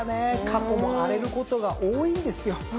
過去も荒れることが多いんですよ。